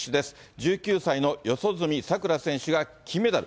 １９歳の四十住さくら選手が金メダル。